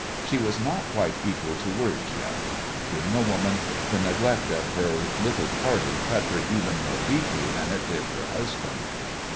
She was not quite equal to words yet. Being a woman, the neglect of her little party cut her even more deeply than it did her husband.